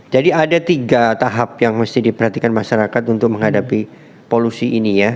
jadi ada tiga tahap yang mesti diperhatikan masyarakat untuk menghadapi polusi ini ya